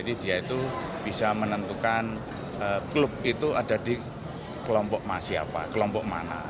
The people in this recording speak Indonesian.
dia itu bisa menentukan klub itu ada di kelompok siapa kelompok mana